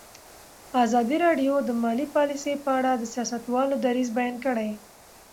ازادي راډیو د مالي پالیسي په اړه د سیاستوالو دریځ بیان کړی.